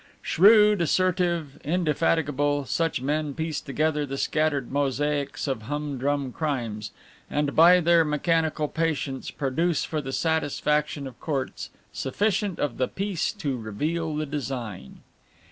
Shrewd, assertive, indefatigable, such men piece together the scattered mosaics of humdrum crimes, and by their mechanical patience produce for the satisfaction of courts sufficient of the piece to reveal the design.